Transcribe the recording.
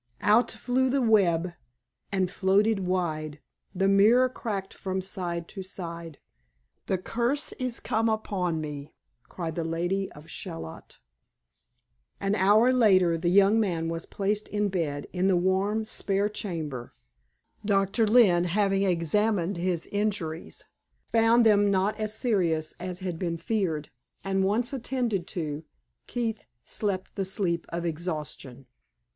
"Out flew the web, and floated wide, The mirror cracked from side to side; 'The curse is come upon me!' cried The Lady of Shalott." An hour later the young man was placed in bed in the warm "spare chamber." Doctor Lynne having examined his injuries, found them not as serious as had been feared; and once attended to, Keith slept the sleep of exhaustion.